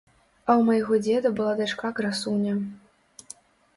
А ў майго дзеда была дачка красуня.